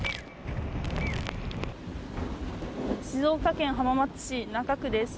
静岡県浜松市中区です。